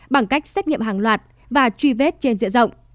bằng cách xét nghiệm hàng loạt và truy vết trên diện rộng